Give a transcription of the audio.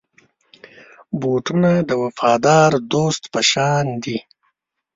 بوټونه د وفادار دوست په شان دي.